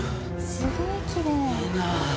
すごいきれい。